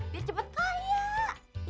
biar cepet kaya